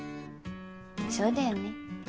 そうだよね。